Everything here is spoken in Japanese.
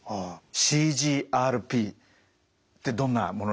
ＣＧＲＰってどんなものなんでしょうか？